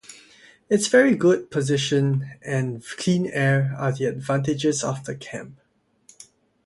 Its very good position and clean air are the advantages of the camp.